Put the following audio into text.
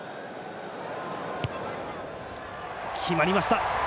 決まりました。